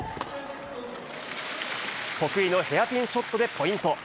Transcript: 得意のヘアピンショットでポイント。